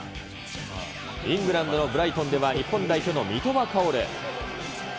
イングランドのブライトンでは日本代表の三笘薫。